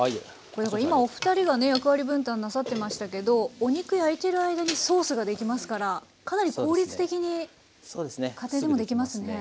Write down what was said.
これ今お二人がね役割分担なさってましたけどお肉焼いてる間にソースができますからかなり効率的に家庭でもできますね。